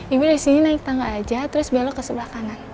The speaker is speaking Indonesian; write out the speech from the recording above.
ibu dari sini naik tangga aja terus belok ke sebelah kanan